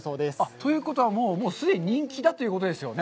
ということは、もう既に人気だということですよね？